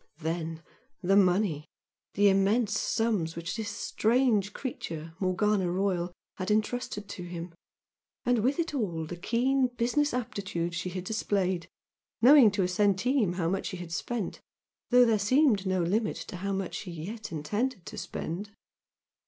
Then, the money! the immense sums which this strange creature, Morgana Royal, had entrusted to him! and with it all, the keen, business aptitude she had displayed, knowing to a centime how much she had spent, though there seemed no limit to how much she yet intended to spend!